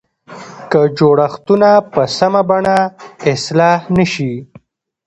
که جوړښتونه په سمه بڼه اصلاح نه شي.